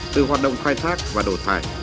từ hoạt động khai thác và đổ thải